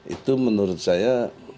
itu menurut saya